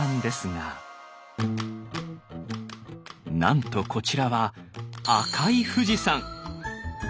なんとこちらは赤い富士山。